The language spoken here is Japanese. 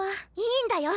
いいんだよ。